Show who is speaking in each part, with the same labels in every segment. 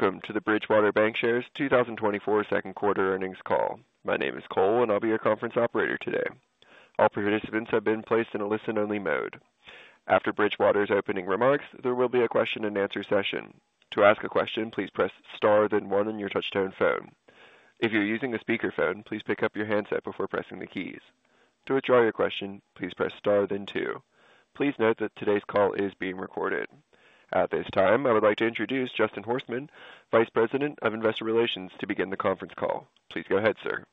Speaker 1: Good morning, and welcome to the Bridgewater Bancshares 2024 Second Quarter Earnings Call. My name is Cole, and I'll be your conference operator today. All participants have been placed in a listen-only mode. After Bridgewater's opening remarks, there will be a question-and-answer session. To ask a question, please press Star, then one on your touchtone phone. If you're using a speakerphone, please pick up your handset before pressing the keys. To withdraw your question, please press Star then two. Please note that today's call is being recorded. At this time, I would like to introduce Justin Horstman, Vice President of Investor Relations, to begin the conference call. Please go ahead, sir.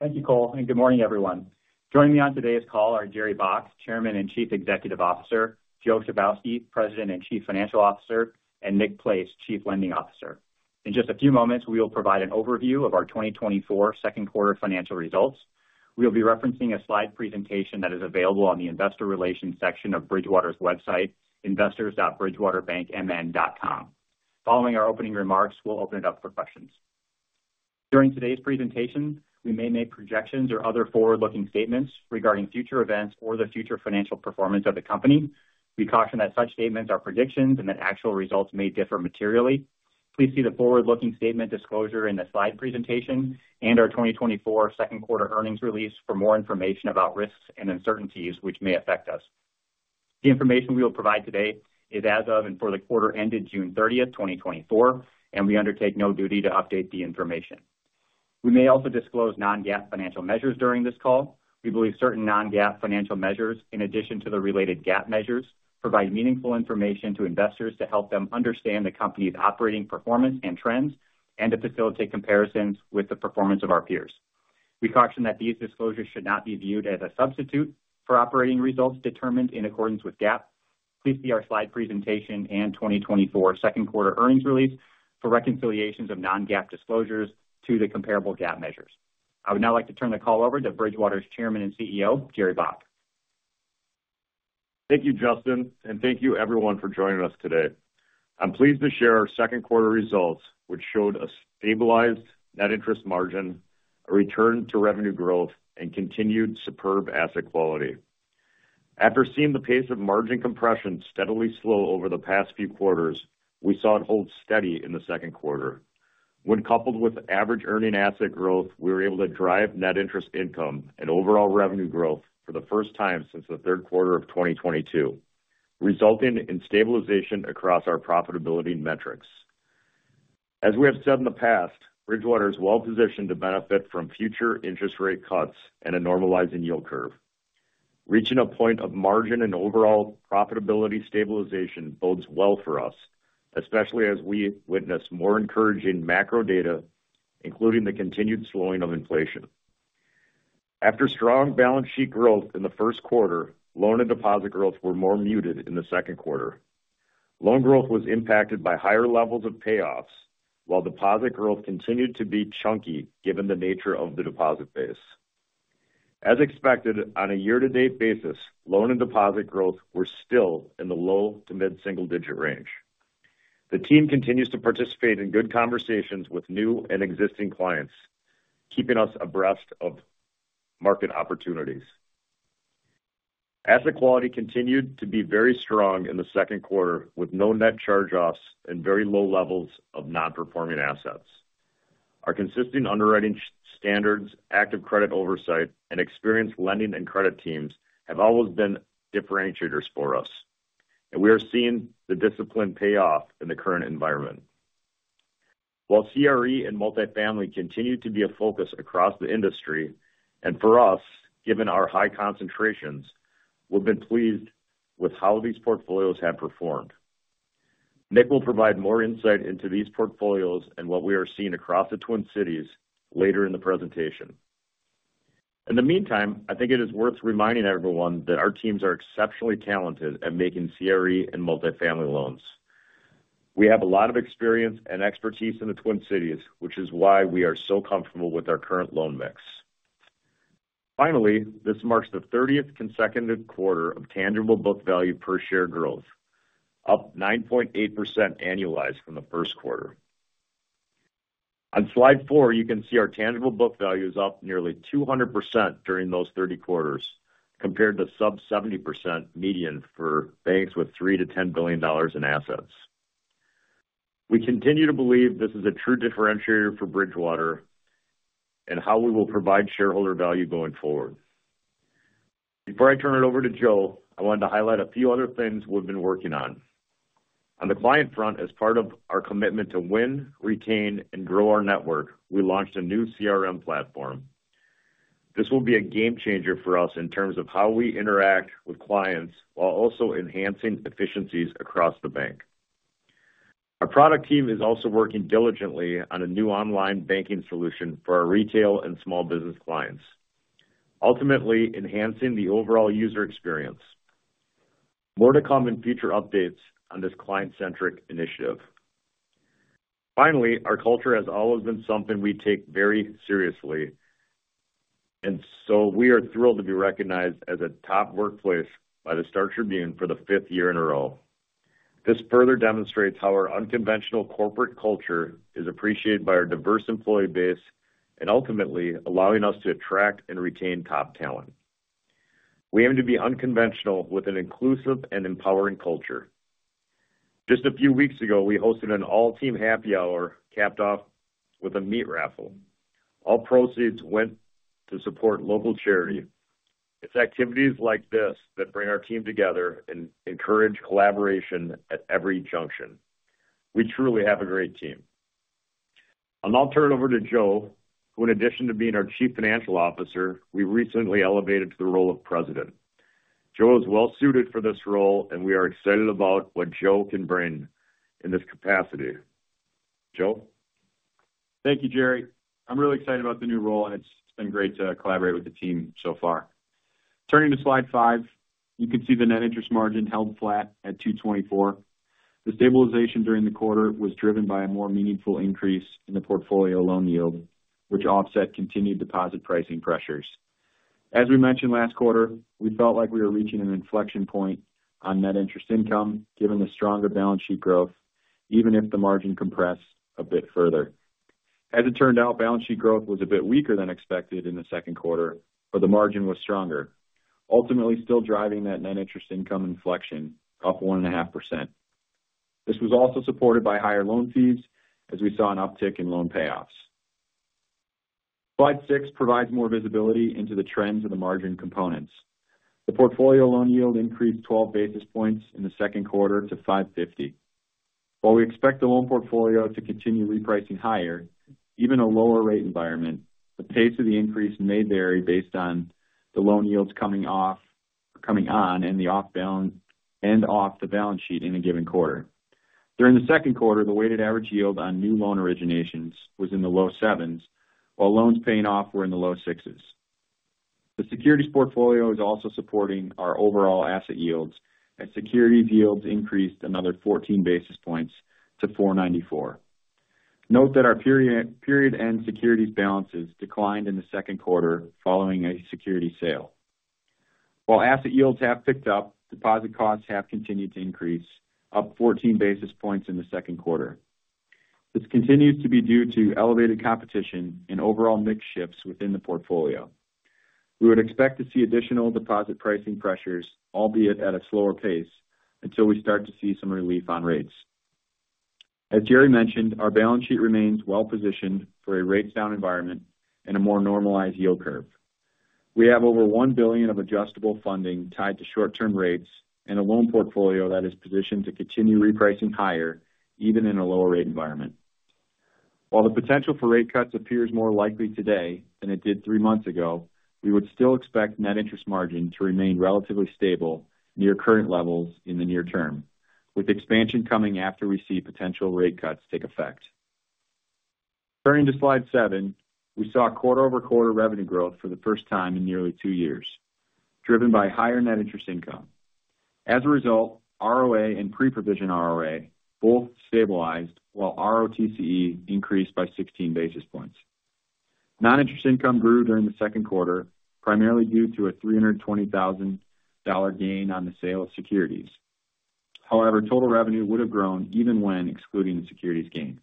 Speaker 2: Thank you, Cole, and good morning, everyone. Joining me on today's call are Jerry Baack, Chairman and Chief Executive Officer; Joe Chybowski, President and Chief Financial Officer; and Nick Place, Chief Lending Officer. In just a few moments, we will provide an overview of our 2024 second quarter financial results. We'll be referencing a Slide presentation that is available on the Investor Relations section of Bridgewater's website, investors.bridgewaterbankmn.com. Following our opening remarks, we'll open it up for questions. During today's presentation, we may make projections or other forward-looking statements regarding future events or the future financial performance of the company. We caution that such statements are predictions and that actual results may differ materially. Please see the forward-looking statement disclosure in the Slide presentation and our 2024 second quarter earnings release for more information about risks and uncertainties which may affect us. The information we will provide today is as of and for the quarter ended June 30th, 2024, and we undertake no duty to update the information. We may also disclose non-GAAP financial measures during this call. We believe certain non-GAAP financial measures, in addition to the related GAAP measures, provide meaningful information to investors to help them understand the company's operating performance and trends and to facilitate comparisons with the performance of our peers. We caution that these disclosures should not be viewed as a substitute for operating results determined in accordance with GAAP. Please see our Slide presentation and 2024 second quarter earnings release for reconciliations of non-GAAP disclosures to the comparable GAAP measures. I would now like to turn the call over to Bridgewater's Chairman and CEO, Jerry Baack.
Speaker 3: Thank you, Justin, and thank you everyone for joining us today. I'm pleased to share our second quarter results, which showed a stabilized net interest margin, a return to revenue growth, and continued superb asset quality. After seeing the pace of margin compression steadily slow over the past few quarters, we saw it hold steady in the second quarter. When coupled with average earning asset growth, we were able to drive net interest income and overall revenue growth for the first time since the third quarter of 2022, resulting in stabilization across our profitability metrics. As we have said in the past, Bridgewater is well positioned to benefit from future interest rate cuts and a normalizing yield curve. Reaching a point of margin and overall profitability stabilization bodes well for us, especially as we witness more encouraging macro data, including the continued slowing of inflation. After strong balance sheet growth in the first quarter, loan and deposit growth were more muted in the second quarter. Loan growth was impacted by higher levels of payoffs, while deposit growth continued to be chunky, given the nature of the deposit base. As expected, on a year-to-date basis, loan and deposit growth were still in the low to mid-single digit range. The team continues to participate in good conversations with new and existing clients, keeping us abreast of market opportunities. Asset quality continued to be very strong in the second quarter, with no net charge-offs and very low levels of non-performing assets. Our consistent underwriting standards, active credit oversight, and experienced lending and credit teams have always been differentiators for us, and we are seeing the discipline pay off in the current environment. While CRE and multifamily continue to be a focus across the industry, and for us, given our high concentrations, we've been pleased with how these portfolios have performed. Nick will provide more insight into these portfolios and what we are seeing across the Twin Cities later in the presentation. In the meantime, I think it is worth reminding everyone that our teams are exceptionally talented at making CRE and multifamily loans. We have a lot of experience and expertise in the Twin Cities, which is why we are so comfortable with our current loan mix. Finally, this marks the thirtieth consecutive quarter of tangible book value per share growth, up 9.8% annualized from the first quarter. On Slide 4, you can see our tangible book value is up nearly 200% during those 30 quarters, compared to sub 70% median for banks with $3 billion-$10 billion in assets. We continue to believe this is a true differentiator for Bridgewater and how we will provide shareholder value going forward. Before I turn it over to Joe, I wanted to highlight a few other things we've been working on. On the client front, as part of our commitment to win, retain, and grow our network, we launched a new CRM platform. This will be a game changer for us in terms of how we interact with clients, while also enhancing efficiencies across the bank. Our product team is also working diligently on a new online banking solution for our retail and small business clients, ultimately enhancing the overall user experience. More to come in future updates on this client-centric initiative. Finally, our culture has always been something we take very seriously, and so we are thrilled to be recognized as a top workplace by the Star Tribune for the fifth year in a row. This further demonstrates how our unconventional corporate culture is appreciated by our diverse employee base and ultimately allowing us to attract and retain top talent. ...We aim to be unconventional with an inclusive and empowering culture. Just a few weeks ago, we hosted an all team happy hour, capped off with a meat raffle. All proceeds went to support local charity. It's activities like this that bring our team together and encourage collaboration at every junction. We truly have a great team. I'll now turn it over to Joe, who in addition to being our Chief Financial Officer, we recently elevated to the role of President. Joe is well suited for this role, and we are excited about what Joe can bring in this capacity. Joe?
Speaker 4: Thank you, Jerry. I'm really excited about the new role, and it's been great to collaborate with the team so far. Turning to Slide 5, you can see the net interest margin held flat at 2.24. The stabilization during the quarter was driven by a more meaningful increase in the portfolio loan yield, which offset continued deposit pricing pressures. As we mentioned last quarter, we felt like we were reaching an inflection point on net interest income, given the stronger balance sheet growth, even if the margin compressed a bit further. As it turned out, balance sheet growth was a bit weaker than expected in the second quarter, but the margin was stronger, ultimately still driving that net interest income inflection up 1.5%. This was also supported by higher loan fees, as we saw an uptick in loan payoffs. Slide 6 provides more visibility into the trends of the margin components. The portfolio loan yield increased 12 basis points in the second quarter to 5.50%. While we expect the loan portfolio to continue repricing higher, even a lower rate environment, the pace of the increase may vary based on the loan yields coming on, and off the balance sheet in a given quarter. During the second quarter, the weighted average yield on new loan originations was in the low 7s, while loans paying off were in the low 6s. The securities portfolio is also supporting our overall asset yields, as securities yields increased another 14 basis points to 4.94%. Note that our period end securities balances declined in the second quarter following a security sale. While asset yields have picked up, deposit costs have continued to increase, up 14 basis points in the second quarter. This continues to be due to elevated competition and overall mix shifts within the portfolio. We would expect to see additional deposit pricing pressures, albeit at a slower pace, until we start to see some relief on rates. As Jerry mentioned, our balance sheet remains well-positioned for a rate down environment and a more normalized yield curve. We have over $1 billion of adjustable funding tied to short-term rates and a loan portfolio that is positioned to continue repricing higher, even in a lower rate environment. While the potential for rate cuts appears more likely today than it did 3 months ago, we would still expect net interest margin to remain relatively stable near current levels in the near term, with expansion coming after we see potential rate cuts take effect. Turning to Slide 7, we saw quarter-over-quarter revenue growth for the first time in nearly 2 years, driven by higher net interest income. As a result, ROA and pre-provision ROA both stabilized, while ROTCE increased by 16 basis points. Non-interest income grew during the second quarter, primarily due to a $320,000 gain on the sale of securities. However, total revenue would have grown even when excluding the securities gain.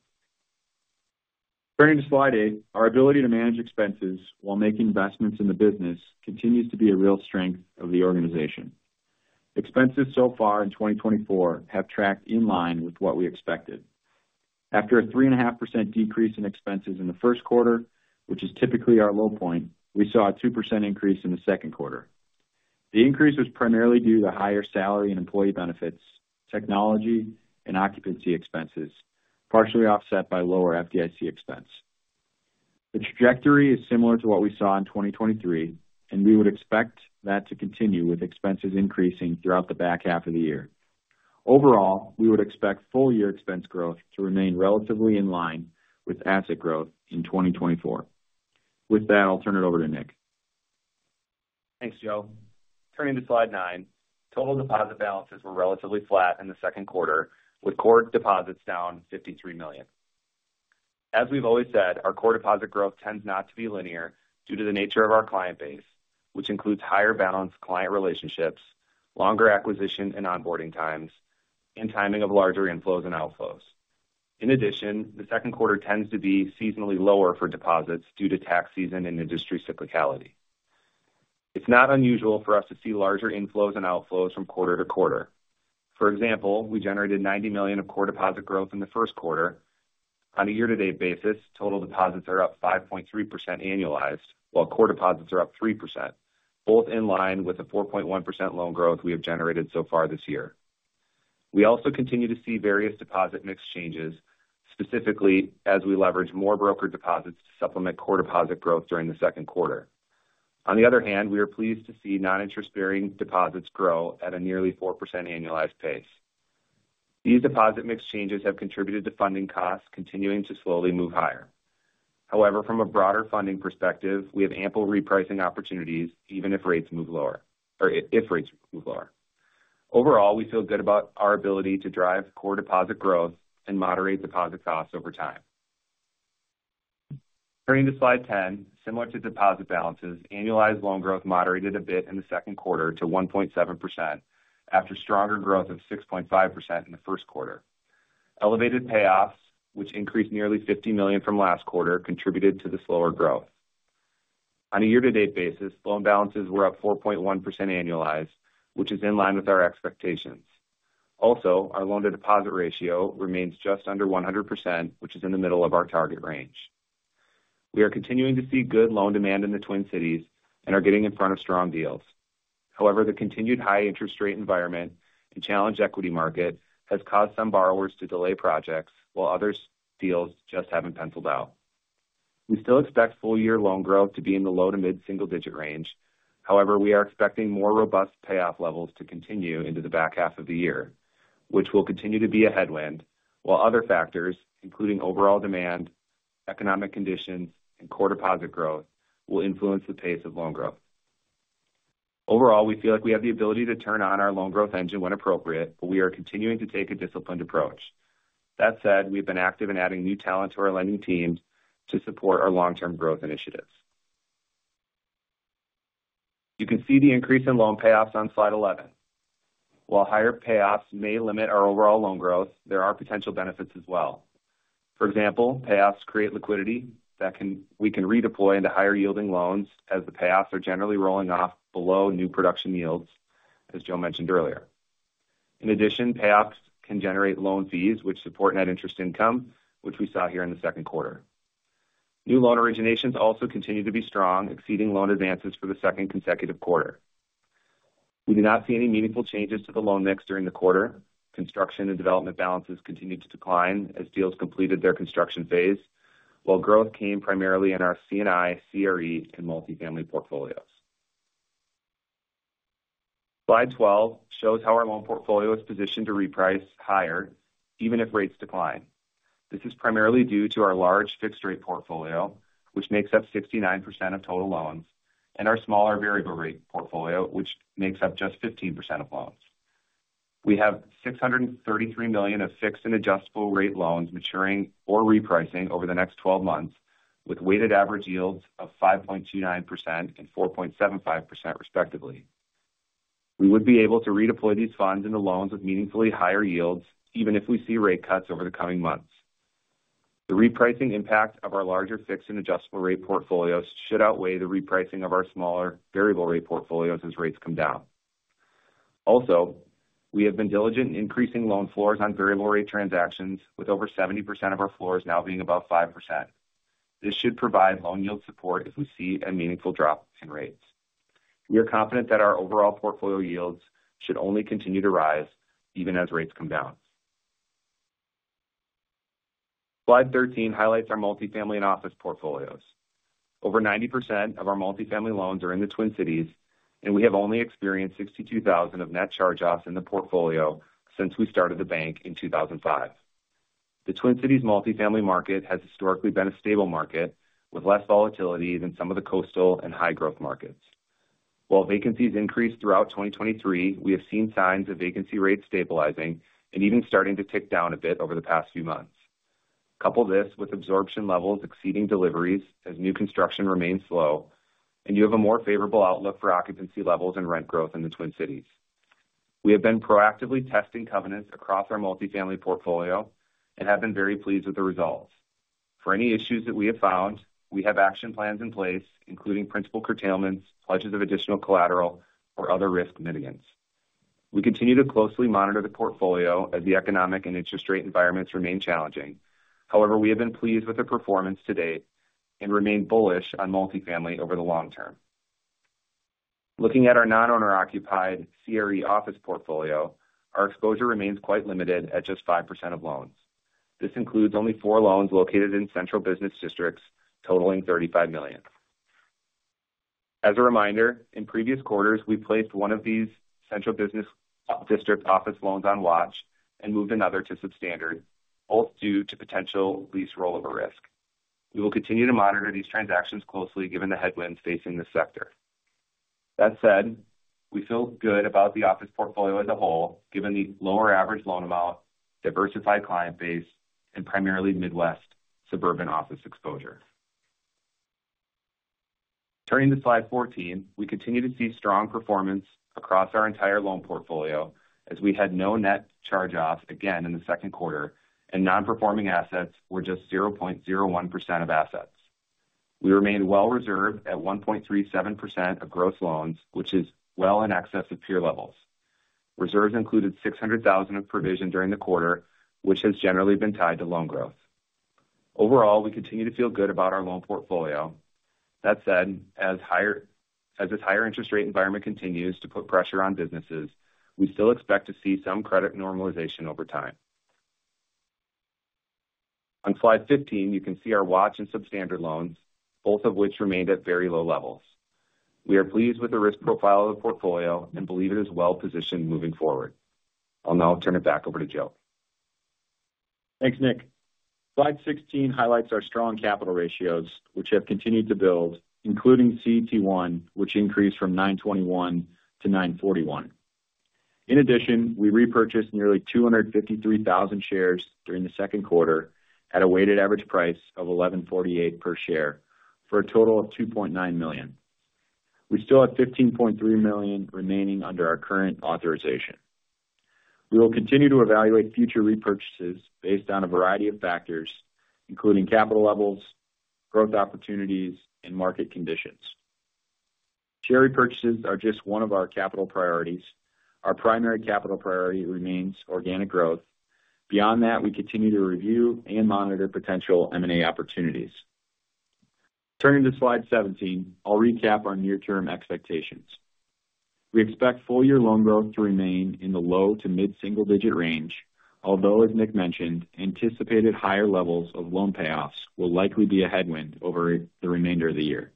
Speaker 4: Turning to Slide 8, our ability to manage expenses while making investments in the business continues to be a real strength of the organization. Expenses so far in 2024 have tracked in line with what we expected. After a 3.5% decrease in expenses in the first quarter, which is typically our low point, we saw a 2% increase in the second quarter. The increase was primarily due to higher salary and employee benefits, technology and occupancy expenses, partially offset by lower FDIC expense. The trajectory is similar to what we saw in 2023, and we would expect that to continue with expenses increasing throughout the back half of the year. Overall, we would expect full year expense growth to remain relatively in line with asset growth in 2024. With that, I'll turn it over to Nick.
Speaker 5: Thanks, Joe. Turning to Slide 9. Total deposit balances were relatively flat in the second quarter, with core deposits down $53 million. As we've always said, our core deposit growth tends not to be linear due to the nature of our client base, which includes higher balance client relationships, longer acquisition and onboarding times, and timing of larger inflows and outflows. In addition, the second quarter tends to be seasonally lower for deposits due to tax season and industry cyclicality. It's not unusual for us to see larger inflows and outflows from quarter to quarter. For example, we generated $90 million of core deposit growth in the first quarter. On a year-to-date basis, total deposits are up 5.3% annualized, while core deposits are up 3%, both in line with the 4.1% loan growth we have generated so far this year. We also continue to see various deposit mix changes, specifically as we leverage more brokered deposits to supplement core deposit growth during the second quarter. On the other hand, we are pleased to see non-interest-bearing deposits grow at a nearly 4% annualized pace. These deposit mix changes have contributed to funding costs continuing to slowly move higher. However, from a broader funding perspective, we have ample repricing opportunities even if rates move lower, or if rates move lower. Overall, we feel good about our ability to drive core deposit growth and moderate deposit costs over time. Turning to Slide 10. Similar to deposit balances, annualized loan growth moderated a bit in the second quarter to 1.7%, after stronger growth of 6.5% in the first quarter. Elevated payoffs, which increased nearly $50 million from last quarter, contributed to the slower growth. On a year-to-date basis, loan balances were up 4.1% annualized, which is in line with our expectations. Also, our loan-to-deposit ratio remains just under 100%, which is in the middle of our target range. We are continuing to see good loan demand in the Twin Cities and are getting in front of strong deals. However, the continued high interest rate environment and challenged equity market has caused some borrowers to delay projects, while others' deals just haven't penciled out. We still expect full year loan growth to be in the low to mid-single digit range. However, we are expecting more robust payoff levels to continue into the back half of the year, which will continue to be a headwind, while other factors, including overall demand, economic conditions, and core deposit growth, will influence the pace of loan growth. Overall, we feel like we have the ability to turn on our loan growth engine when appropriate, but we are continuing to take a disciplined approach. That said, we've been active in adding new talent to our lending teams to support our long-term growth initiatives. You can see the increase in loan payoffs on Slide 11. While higher payoffs may limit our overall loan growth, there are potential benefits as well. For example, payoffs create liquidity that we can redeploy into higher yielding loans, as the payoffs are generally rolling off below new production yields, as Joe mentioned earlier. In addition, payoffs can generate loan fees, which support net interest income, which we saw here in the second quarter. New loan originations also continue to be strong, exceeding loan advances for the second consecutive quarter. We do not see any meaningful changes to the loan mix during the quarter. Construction and development balances continued to decline as deals completed their construction phase, while growth came primarily in our C&I, CRE, and multifamily portfolios. Slide 12 shows how our loan portfolio is positioned to reprice higher even if rates decline. This is primarily due to our large fixed rate portfolio, which makes up 69% of total loans, and our smaller variable rate portfolio, which makes up just 15% of loans. We have $633 million of fixed and adjustable rate loans maturing or repricing over the next 12 months, with weighted average yields of 5.29% and 4.75%, respectively. We would be able to redeploy these funds into loans with meaningfully higher yields, even if we see rate cuts over the coming months. The repricing impact of our larger fixed and adjustable rate portfolios should outweigh the repricing of our smaller variable rate portfolios as rates come down. Also, we have been diligent in increasing loan floors on variable rate transactions, with over 70% of our floors now being above 5%. This should provide loan yield support if we see a meaningful drop in rates. We are confident that our overall portfolio yields should only continue to rise even as rates come down. Slide 13 highlights our multifamily and office portfolios. Over 90% of our multifamily loans are in the Twin Cities, and we have only experienced $62,000 of net charge-offs in the portfolio since we started the bank in 2005. The Twin Cities multifamily market has historically been a stable market, with less volatility than some of the coastal and high-growth markets. While vacancies increased throughout 2023, we have seen signs of vacancy rates stabilizing and even starting to tick down a bit over the past few months. Couple this with absorption levels exceeding deliveries as new construction remains slow, and you have a more favorable outlook for occupancy levels and rent growth in the Twin Cities. We have been proactively testing covenants across our multifamily portfolio and have been very pleased with the results. For any issues that we have found, we have action plans in place, including principal curtailments, pledges of additional collateral, or other risk mitigants. We continue to closely monitor the portfolio as the economic and interest rate environments remain challenging. However, we have been pleased with the performance to date and remain bullish on multifamily over the long term. Looking at our non-owner occupied CRE office portfolio, our exposure remains quite limited at just 5% of loans. This includes only 4 loans located in central business districts, totaling $35 million. As a reminder, in previous quarters, we placed one of these central business district office loans on watch and moved another to substandard, both due to potential lease rollover risk. We will continue to monitor these transactions closely, given the headwinds facing this sector. That said, we feel good about the office portfolio as a whole, given the lower average loan amount, diversified client base, and primarily Midwest suburban office exposure. Turning to Slide 14, we continue to see strong performance across our entire loan portfolio, as we had no net charge-offs again in the second quarter, and non-performing assets were just 0.01% of assets. We remained well reserved at 1.37% of gross loans, which is well in excess of peer levels. Reserves included $600,000 of provision during the quarter, which has generally been tied to loan growth. Overall, we continue to feel good about our loan portfolio. That said, as this higher interest rate environment continues to put pressure on businesses, we still expect to see some credit normalization over time. On Slide 15, you can see our watch and substandard loans, both of which remained at very low levels. We are pleased with the risk profile of the portfolio and believe it is well positioned moving forward. I'll now turn it back over to Joe.
Speaker 4: Thanks, Nick. Slide 16 highlights our strong capital ratios, which have continued to build, including CET1, which increased from 9.21 to 9.41. In addition, we repurchased nearly 253,000 shares during the second quarter at a weighted average price of $11.48 per share, for a total of $2.9 million.... We still have $15.3 million remaining under our current authorization. We will continue to evaluate future repurchases based on a variety of factors, including capital levels, growth opportunities, and market conditions. Share repurchases are just one of our capital priorities. Our primary capital priority remains organic growth. Beyond that, we continue to review and monitor potential M&A opportunities. Turning to Slide 17, I'll recap our near-term expectations. We expect full-year loan growth to remain in the low to mid-single digit range, although, as Nick mentioned, anticipated higher levels of loan payoffs will likely be a headwind over the remainder of the year.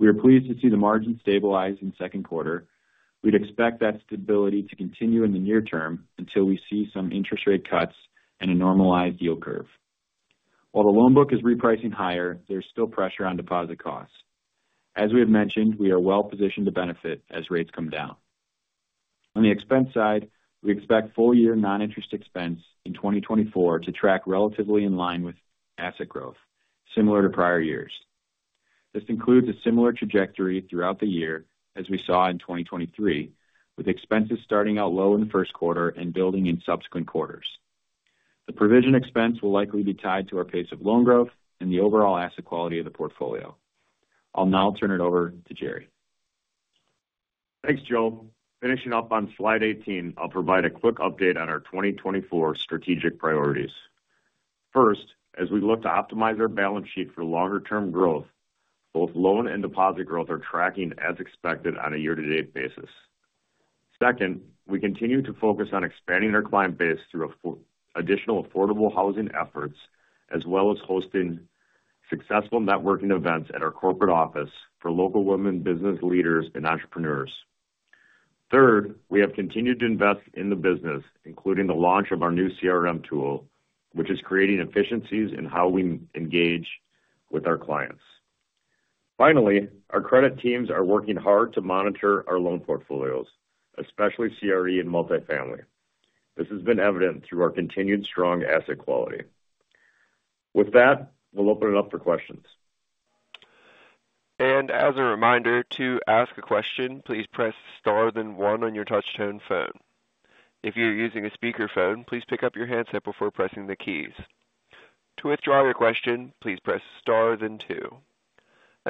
Speaker 4: We are pleased to see the margin stabilize in second quarter. We'd expect that stability to continue in the near term until we see some interest rate cuts and a normalized yield curve. While the loan book is repricing higher, there's still pressure on deposit costs. As we have mentioned, we are well positioned to benefit as rates come down. On the expense side, we expect full-year non-interest expense in 2024 to track relatively in line with asset growth, similar to prior years. This includes a similar trajectory throughout the year as we saw in 2023, with expenses starting out low in the first quarter and building in subsequent quarters. The provision expense will likely be tied to our pace of loan growth and the overall asset quality of the portfolio. I'll now turn it over to Jerry.
Speaker 3: Thanks, Joe. Finishing up on Slide 18, I'll provide a quick update on our 2024 strategic priorities. First, as we look to optimize our balance sheet for longer-term growth, both loan and deposit growth are tracking as expected on a year-to-date basis. Second, we continue to focus on expanding our client base through additional affordable housing efforts, as well as hosting successful networking events at our corporate office for local women business leaders and entrepreneurs. Third, we have continued to invest in the business, including the launch of our new CRM tool, which is creating efficiencies in how we engage with our clients. Finally, our credit teams are working hard to monitor our loan portfolios, especially CRE and multifamily. This has been evident through our continued strong asset quality. With that, we'll open it up for questions.
Speaker 1: As a reminder, to ask a question, please press star then one on your touchtone phone. If you're using a speakerphone, please pick up your handset before pressing the keys. To withdraw your question, please press star then two.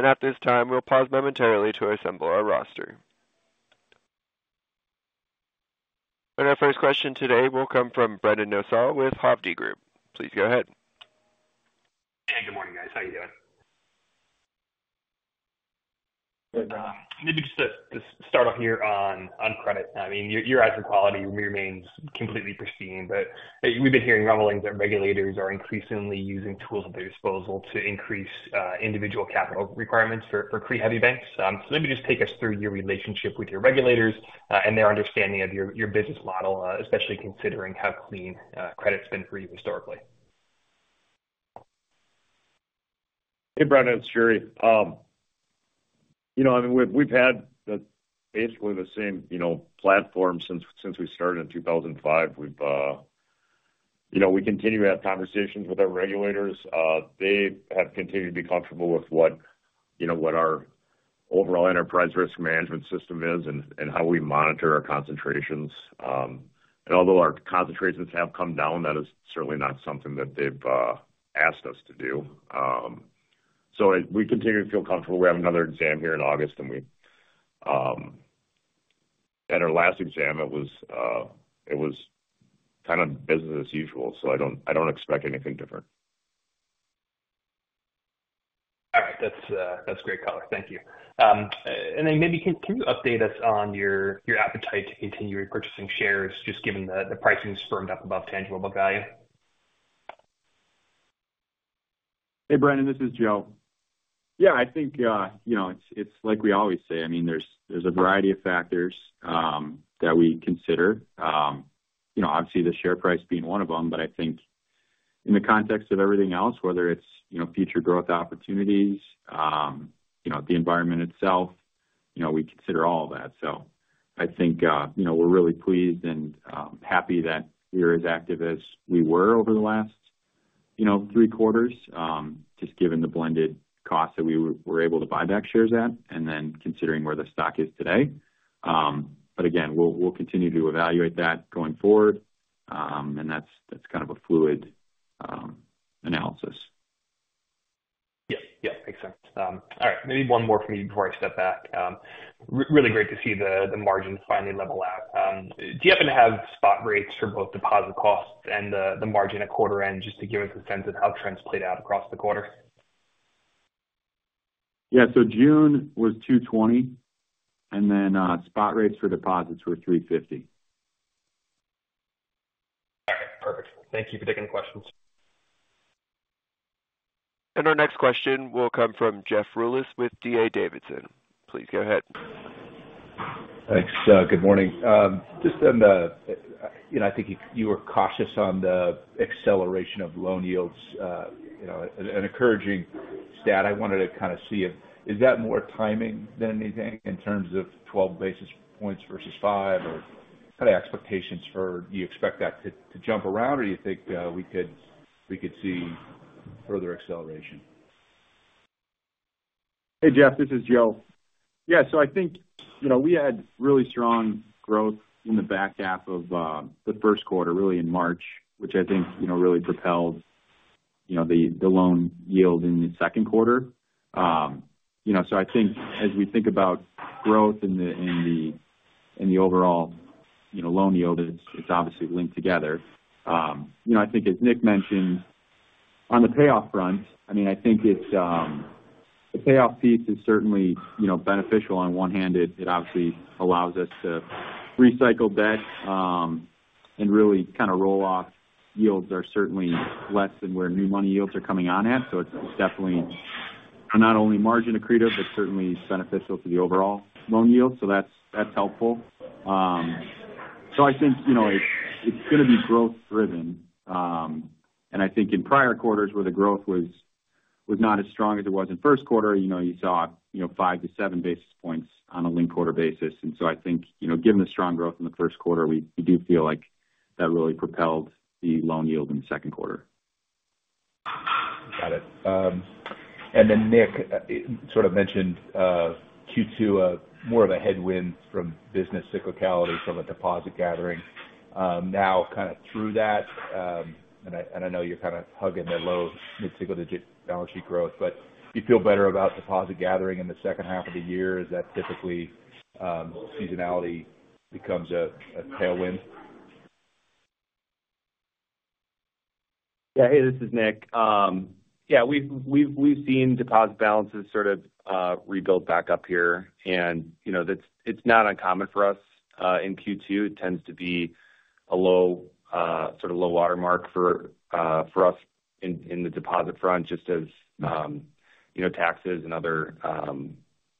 Speaker 1: At this time, we'll pause momentarily to assemble our roster. Our first question today will come from Brendan Nosal with Hovde Group. Please go ahead.
Speaker 6: Hey, good morning, guys. How you doing? And, maybe just to, just start off here on, on credit. I mean, your, your asset quality remains completely pristine, but we've been hearing rumblings that regulators are increasingly using tools at their disposal to increase, individual capital requirements for, for CRE-heavy banks. So maybe just take us through your relationship with your regulators, and their understanding of your, your business model, especially considering how clean, credit's been for you historically.
Speaker 3: Hey, Brendan, it's Jerry. You know, I mean, we've had basically the same, you know, platform since we started in 2005. You know, we continue to have conversations with our regulators. They have continued to be comfortable with what, you know, what our overall enterprise risk management system is and how we monitor our concentrations. And although our concentrations have come down, that is certainly not something that they've asked us to do. So, we continue to feel comfortable. We have another exam here in August, and we. At our last exam, it was kind of business as usual, so I don't expect anything different.
Speaker 6: All right. That's, that's great color. Thank you. Then maybe can you update us on your appetite to continue repurchasing shares, just given the pricing's firmed up above tangible book value?
Speaker 4: Hey, Brendan, this is Joe. Yeah, I think, you know, it's, it's like we always say, I mean, there's, there's a variety of factors that we consider. You know, obviously, the share price being one of them, but I think in the context of everything else, whether it's, you know, future growth opportunities, you know, the environment itself, you know, we consider all of that. So I think, you know, we're really pleased and happy that we're as active as we were over the last, you know, three quarters, just given the blended costs that we were, were able to buy back shares at and then considering where the stock is today. But again, we'll, we'll continue to evaluate that going forward. And that's, that's kind of a fluid analysis.
Speaker 6: Yeah. Yeah, makes sense. All right, maybe one more from me before I step back. Really great to see the, the margins finally level out. Do you happen to have spot rates for both deposit costs and the, the margin at quarter end, just to give us a sense of how trends played out across the quarter?
Speaker 4: Yeah. So June was 2.20, and then spot rates for deposits were 3.50.
Speaker 6: All right, perfect. Thank you for taking the questions.
Speaker 1: Our next question will come from Jeff Rulis with D.A. Davidson. Please go ahead.
Speaker 7: Thanks. Good morning. Just on the, you know, I think you were cautious on the acceleration of loan yields, you know, an encouraging stat. I wanted to kind of see if, is that more timing than anything in terms of 12 basis points versus 5? Or kind of expectations for -- do you expect that to jump around, or you think, we could see-... further acceleration.
Speaker 4: Hey, Jeff, this is Joe. Yeah, so I think, you know, we had really strong growth in the back half of the first quarter, really in March, which I think, you know, really propelled the loan yield in the second quarter. You know, so I think as we think about growth in the overall loan yield, it's obviously linked together. You know, I think as Nick mentioned, on the payoff front, I mean, I think it's the payoff piece is certainly beneficial. On one hand, it obviously allows us to recycle debt, and really kind of roll off yields are certainly less than where new money yields are coming on at. So it's definitely not only margin accretive, but certainly beneficial to the overall loan yield. So that's helpful. So I think, you know, it's going to be growth driven. And I think in prior quarters where the growth was not as strong as it was in first quarter, you know, you saw, you know, 5-7 basis points on a linked quarter basis. And so I think, you know, given the strong growth in the first quarter, we do feel like that really propelled the loan yield in the second quarter.
Speaker 7: Got it. And then Nick, sort of mentioned, Q2, more of a headwind from business cyclicality from a deposit gathering. Now kind of through that, and I, and I know you're kind of hugging the low mid-single digit balance sheet growth, but do you feel better about deposit gathering in the second half of the year? Is that typically, seasonality becomes a tailwind?
Speaker 5: Yeah. Hey, this is Nick. Yeah, we've seen deposit balances sort of rebuild back up here. And, you know, that's, it's not uncommon for us. In Q2, it tends to be a low sort of low water mark for us in the deposit front, just as, you know, taxes and other,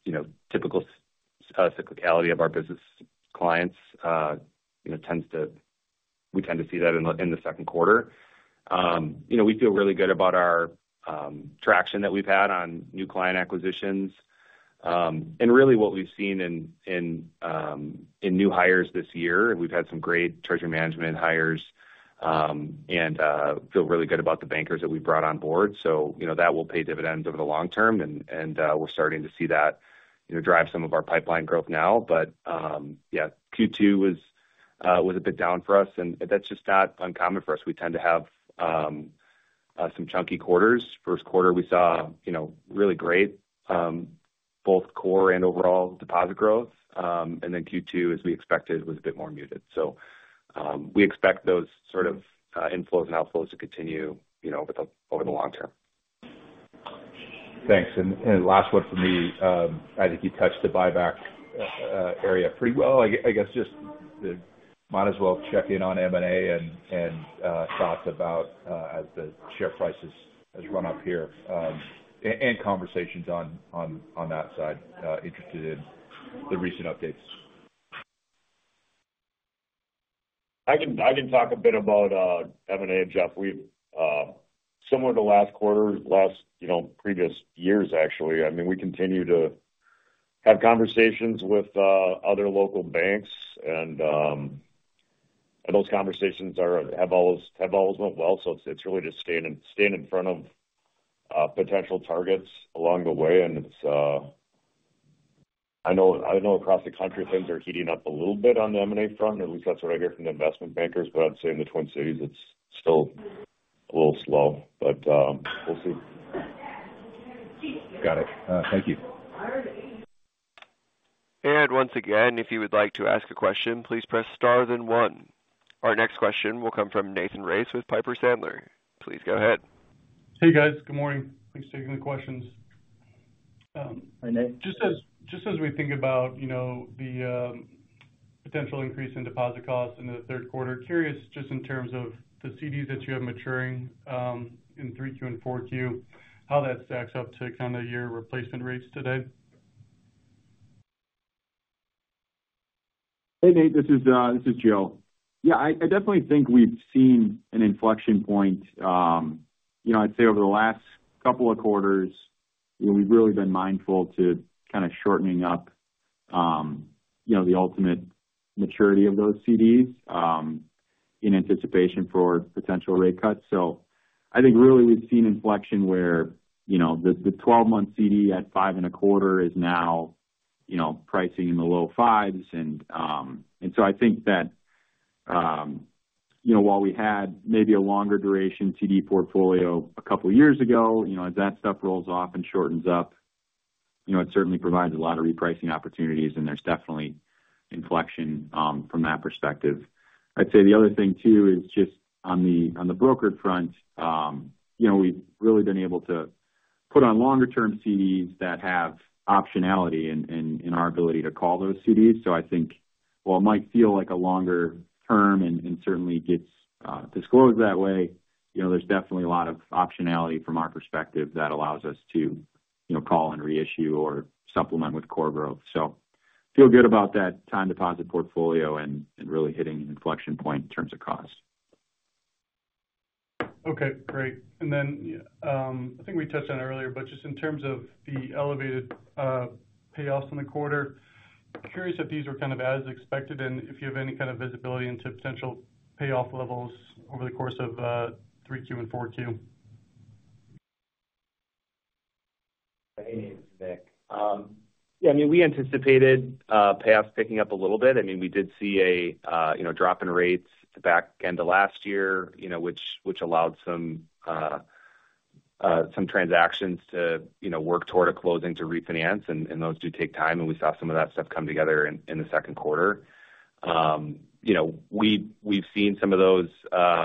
Speaker 5: you know, typical cyclicality of our business clients, you know, tends to... We tend to see that in the second quarter. You know, we feel really good about our traction that we've had on new client acquisitions. And really what we've seen in new hires this year, and we've had some great treasury management hires, and feel really good about the bankers that we've brought on board. So, you know, that will pay dividends over the long term, and we're starting to see that, you know, drive some of our pipeline growth now. But, yeah, Q2 was a bit down for us, and that's just not uncommon for us. We tend to have some chunky quarters. First quarter, we saw, you know, really great both core and overall deposit growth. And then Q2, as we expected, was a bit more muted. So, we expect those sort of inflows and outflows to continue, you know, over the long term.
Speaker 7: Thanks. And last one for me. I think you touched the buyback area pretty well. I guess just might as well check in on M&A and thoughts about as the share prices has run up here and conversations on that side, interested in the recent updates.
Speaker 3: I can talk a bit about M&A, Jeff. We've similar to last quarter, last, you know, previous years, actually, I mean, we continue to have conversations with other local banks, and those conversations have always went well. So it's really just staying in front of potential targets along the way. And it's, I know, across the country, things are heating up a little bit on the M&A front, at least that's what I hear from the investment bankers, but I'd say in the Twin Cities, it's still a little slow, but we'll see.
Speaker 7: Got it. Thank you.
Speaker 1: Once again, if you would like to ask a question, please press star then one. Our next question will come from Nathan Race with Piper Sandler. Please go ahead.
Speaker 8: Hey, guys. Good morning. Thanks for taking the questions.
Speaker 3: Hi, Nate.
Speaker 8: Just as we think about, you know, the potential increase in deposit costs in the third quarter, curious just in terms of the CDs that you have maturing in 3Q and 4Q, how that stacks up to kind of your replacement rates today?
Speaker 4: Hey, Nate, this is Joe. Yeah, I definitely think we've seen an inflection point. You know, I'd say over the last couple of quarters, we've really been mindful to kind of shortening up, you know, the ultimate maturity of those CDs, in anticipation for potential rate cuts. So I think really we've seen inflection where, you know, the 12-month CD at 5.25 is now, you know, pricing in the low 5s. And so I think that, you know, while we had maybe a longer duration CD portfolio a couple of years ago, you know, as that stuff rolls off and shortens up, you know, it certainly provides a lot of repricing opportunities, and there's definitely inflection, from that perspective. I'd say the other thing, too, is just on the broker front, you know, we've really been able to put on longer-term CDs that have optionality in our ability to call those CDs. So I think while it might feel like a longer term and certainly gets disclosed that way, you know, there's definitely a lot of optionality from our perspective that allows us to, you know, call and reissue or supplement with core growth. So feel good about that time deposit portfolio and really hitting an inflection point in terms of cost.
Speaker 8: Okay, great. And then, I think we touched on it earlier, but just in terms of the elevated payoffs in the quarter. I'm curious if these were kind of as expected, and if you have any kind of visibility into potential payoff levels over the course of 3Q and 4Q?
Speaker 5: Hey, Nick. Yeah, I mean, we anticipated payoffs picking up a little bit. I mean, we did see a, you know, drop in rates the back end of last year, you know, which allowed some transactions to, you know, work toward a closing to refinance, and those do take time, and we saw some of that stuff come together in the second quarter. You know, we've seen some of those,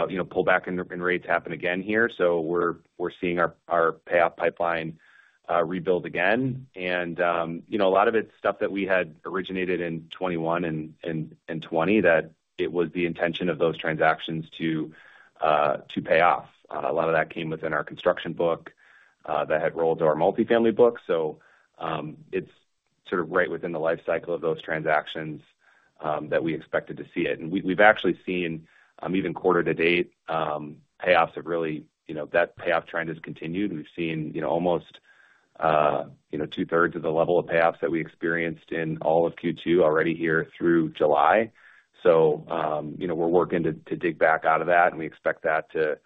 Speaker 5: you know, pull back in rates happen again here. So we're seeing our payoff pipeline rebuild again. And, you know, a lot of it's stuff that we had originated in 2021 and 2020, that it was the intention of those transactions to pay off. A lot of that came within our construction book that had rolled to our multifamily book. So, it's sort of right within the life cycle of those transactions that we expected to see it. And we've actually seen, even quarter to date, payoffs have really, you know, that payoff trend has continued. We've seen, you know, almost, you know, two-thirds of the level of payoffs that we experienced in all of Q2 already here through July. So, you know, we're working to dig back out of that, and we expect that to,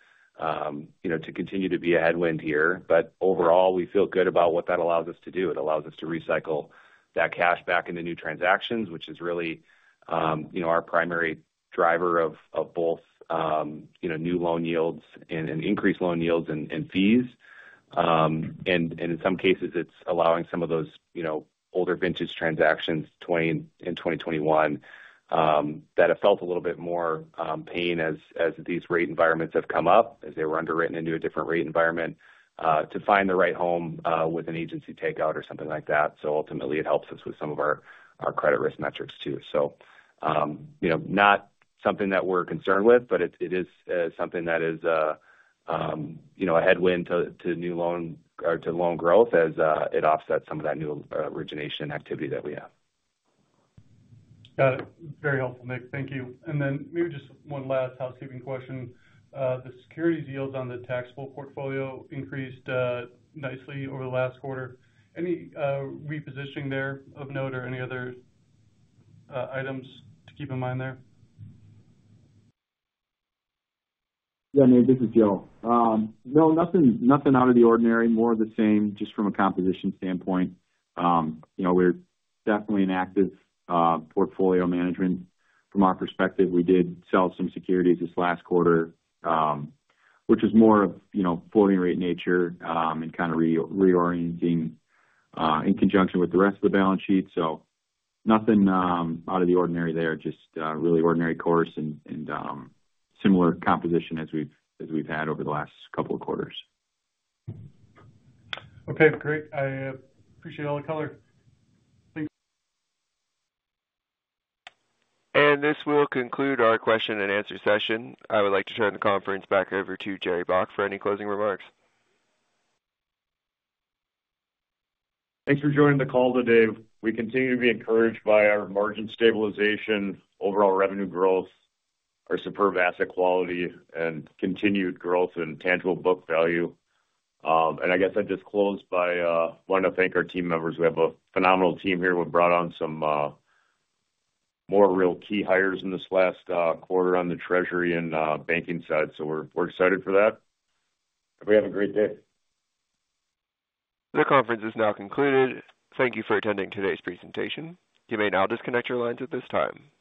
Speaker 5: you know, continue to be a headwind here. But overall, we feel good about what that allows us to do. It allows us to recycle that cash back into new transactions, which is really, you know, our primary driver of both, you know, new loan yields and increased loan yields and fees. In some cases, it's allowing some of those, you know, older vintage transactions, 2020 and 2021, that have felt a little bit more pain as these rate environments have come up, as they were underwritten into a different rate environment, to find the right home with an agency takeout or something like that. So ultimately, it helps us with some of our credit risk metrics, too. You know, not something that we're concerned with, but it is something that is, you know, a headwind to new loan or loan growth as it offsets some of that new origination activity that we have.
Speaker 8: Got it. Very helpful, Nick. Thank you. And then maybe just one last housekeeping question. The securities yields on the taxable portfolio increased nicely over the last quarter. Any repositioning there of note or any other items to keep in mind there?
Speaker 4: Yeah, Nick, this is Joe. No, nothing out of the ordinary. More of the same, just from a composition standpoint. You know, we're definitely an active portfolio management from our perspective. We did sell some securities this last quarter, which is more of, you know, floating rate nature, and kind of reorienting in conjunction with the rest of the balance sheet. So nothing out of the ordinary there, just really ordinary course and similar composition as we've had over the last couple of quarters.
Speaker 8: Okay, great. I appreciate all the color. Thank you.
Speaker 1: This will conclude our question and answer session. I would like to turn the conference back over to Jerry Baack for any closing remarks.
Speaker 3: Thanks for joining the call today. We continue to be encouraged by our margin stabilization, overall revenue growth, our superb asset quality, and continued growth in tangible book value. And I guess I'd just close by wanting to thank our team members. We have a phenomenal team here. We've brought on some more real key hires in this last quarter on the treasury and banking side, so we're excited for that. Everybody have a great day.
Speaker 1: The conference is now concluded. Thank you for attending today's presentation. You may now disconnect your lines at this time.